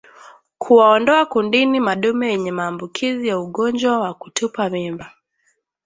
Kuwaondoa kundini madume yenye maambukizi ya ugonjwa wa kutupa mimba